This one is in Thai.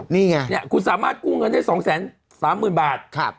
นี่ไงคุณสามารถกู้เงินได้๒๓๐๐๐บาท